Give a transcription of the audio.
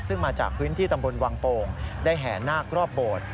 ซึ่งมาจากพื้นที่ตำบลวังโป่งได้แห่นาครอบโบสถ์